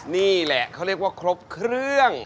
นี่แหละเขาเรียกว่าครบเครื่อง